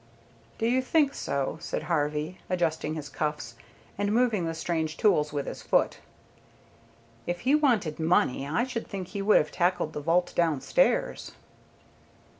"Do you think so?" said Harvey, adjusting his cuffs, and moving the strange tools with his foot. "If he wanted money, I should think he would have tackled the vault downstairs."